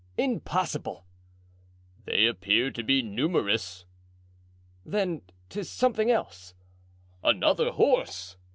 "Impossible." "They appear to be numerous." "Then 'tis something else." "Another horse!"